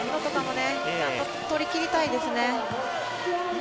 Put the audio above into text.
取りきりたいですね。